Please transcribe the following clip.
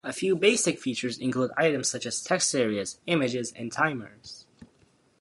A few basic features include items such as text-areas, images, and timers.